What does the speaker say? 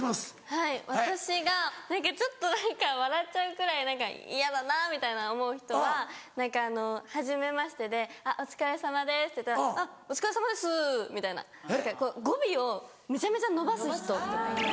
はい私が何かちょっと笑っちゃうくらい嫌だなみたいな思う人はあのはじめましてで「お疲れさまです」って言ったら「お疲れさまですぅ」みたいな語尾をめちゃめちゃ伸ばす人。